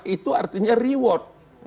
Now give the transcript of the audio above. itu artinya reward